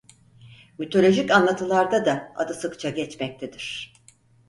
Mitolojik anlatılarda da adı sıkça geçmektedir.